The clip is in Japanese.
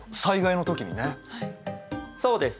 そうです。